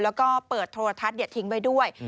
แล้วก็เปิดโทรทัศน์ทิ้งไว้ด้วย